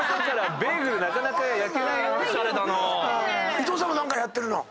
伊藤さんも何かやってるの？